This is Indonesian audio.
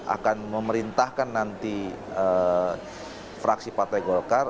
akan memerintahkan nanti fraksi partai golkar